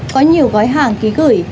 có nhiều gói hàng ký gửi